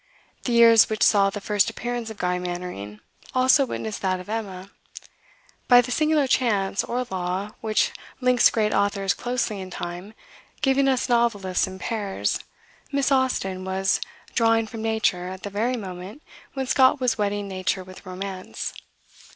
The years which saw the first appearance of "Guy Mannering" also witnessed that of "Emma." By the singular chance, or law, which links great authors closely in time, giving us novelists in pairs, Miss Austen was "drawing from nature" at the very moment when Scott was wedding nature with romance.